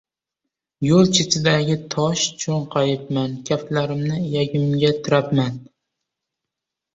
Yo‘l chetidagi toshga cho‘nqayibman, kaftlarimni iyamgimga tirabman.